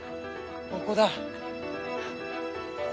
ここだ。